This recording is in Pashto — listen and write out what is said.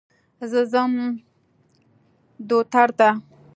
زه ځم دوتر ته.